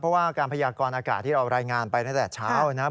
เพราะว่าการพยากรอากาศที่เรารายงานไปตั้งแต่เช้านะครับ